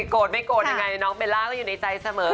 โกรธไม่โกรธยังไงน้องเบลล่าก็อยู่ในใจเสมอ